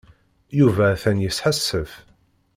Yuba atan yesḥassef.